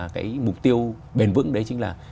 cái mục tiêu bền vững đấy chính là